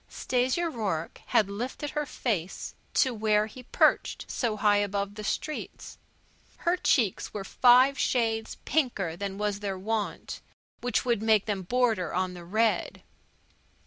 Stasia Rourke had lifted her face to where he perched so high above the streets. Her cheeks were five shades pinker than was their wont, which would make them border on the red.